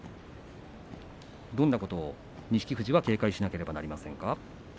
どんなことを錦富士は警戒しなければいけませんか？